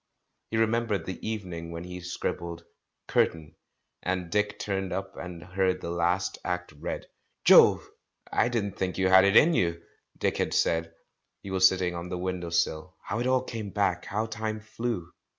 He remembered the evening when he scribbled "Curtain," and Dick turned up and heard the last act read. "Jove! I didn't think you had it in you," Dick had said; he was sitting on the window sill — how it all came back! — how time flew!